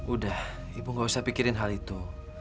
udah ibu gak usah pikirin hal itu